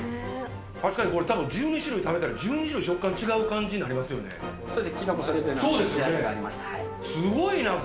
確かにこれ、１２種類食べたら１２種類食感違う感じになりますね。